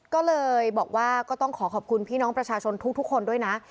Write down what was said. ก็เลยบอกว่าก็ต้องขอขอบคุณพี่น้องประชาชนทุกคนด้วยนะ